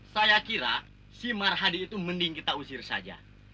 saya kira si marhadi itu mending kita usir saja